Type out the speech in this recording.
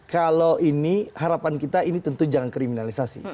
kalau ini harapan kita ini tentu jangan kriminalisasi